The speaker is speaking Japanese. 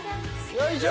よいしょ！